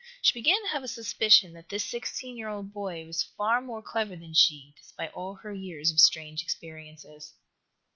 She began to have a suspicion that this sixteen year old boy was far more clever than she, despite all her years of strange experiences.